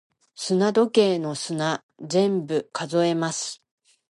砂時計の砂、全部数えます。